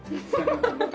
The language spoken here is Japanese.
ハハハハ。